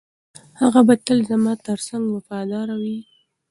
هغه به تل زما تر څنګ وفاداره وي.